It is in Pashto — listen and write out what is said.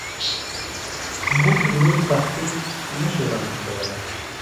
موږ نور تخفیف نشو وړاندیز کولی.